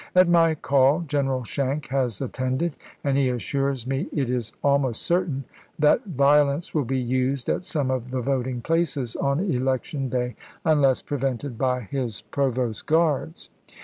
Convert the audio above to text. At my call Gen eral Schenck has attended, and he assures me it is almost certain that violence will be used at some of the voting places on election day unless prevented by his provost guards.